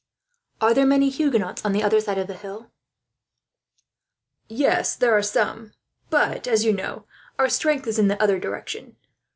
"Are there many Huguenots on the other side of the hill?" "Yes, there are some; but as you know, our strength is in the other direction.